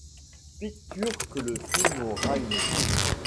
Pictures que le film aura une suite.